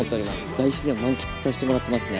大自然を満喫させてもらってますね。